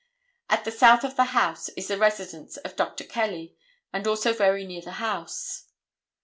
At the south of the house is the residence of Dr. Kelly, and also very near the house.